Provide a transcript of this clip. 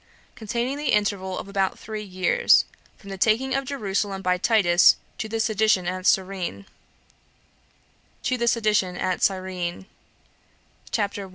Containing The Interval Of About Three Years. From The Taking Of Jerusalem By Titus To The Sedition At Cyrene CHAPTER 1.